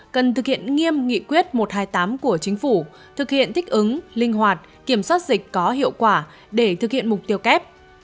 cần thực hiện nghiêm nghị quyết một trăm hai mươi tám của chính phủ thực hiện thích ứng linh hoạt kiểm soát dịch có hiệu quả để thực hiện mục tiêu kép